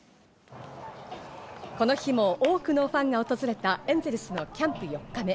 この日も多くのファンが訪れたエンゼルスのキャンプ４日目。